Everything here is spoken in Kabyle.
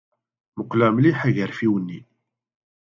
Muqleɣ mliḥ agerfiw-nni.